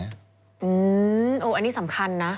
อันนี้สำคัญนะ